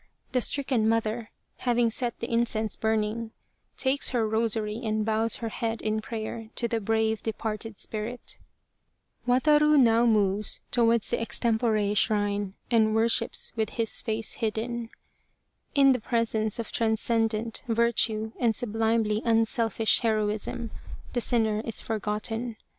The stricken mother, having set the in cense burning, takes her rosary and bows her head in prayer to the brave departed spirit. Wataru now * Buddhist priests shave their heads. 79 The Tragedy of Kesa Gozen moves towards the extempore shrine, and worships with his face hidden. In the presence of transcendent virtue and sublimely unselfish heroism, the sinner is forgotten.